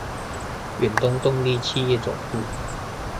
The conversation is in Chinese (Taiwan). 遠東動力企業總部